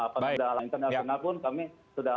penundaan internasional pun kami sudah